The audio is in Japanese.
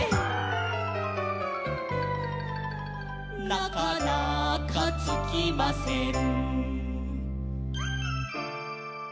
「なかなかつきません」